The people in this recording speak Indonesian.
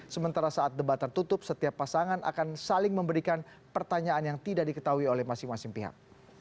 sementara saat debat tertutup setiap pasangan akan saling memberikan pertanyaan yang tidak diketahui oleh masing masing pihak